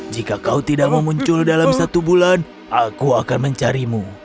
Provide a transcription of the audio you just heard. jika kau tidak memuncul dalam satu bulan aku akan mencarimu